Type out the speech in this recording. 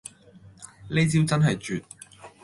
呢招真係絕